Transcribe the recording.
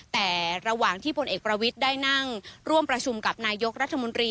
แต่ระหว่างที่พลเอกประวิทย์ได้นั่งร่วมประชุมกับนายกรัฐมนตรี